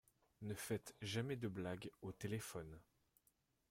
Ne faites jamais de blagues au téléphone...